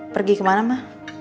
pergi kemana ma